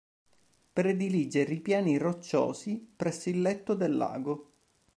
Predilige ripiani rocciosi presso il letto del lago.